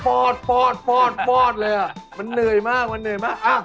ขอบคุณมาก